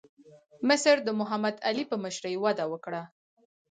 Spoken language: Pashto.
مصر د محمد علي په مشرۍ وده وکړه.